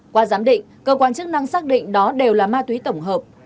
qua giám định cơ quan chức năng xác định đó đều là ma túy tổng hợp